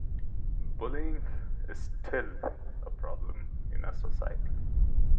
Bullying is still a problem in our society.